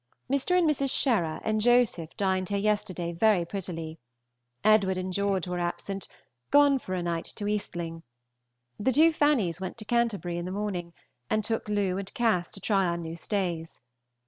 Mr. and Mrs. Sherer and Joseph dined here yesterday very prettily. Edw. and Geo. were absent, gone for a night to Eastling. The two Fannies went to Canty. in the morning, and took Lou. and Cass. to try on new stays.